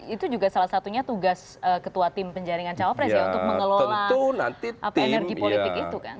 itu juga salah satunya tugas ketua tim penjaringan capres ya untuk mengelola energi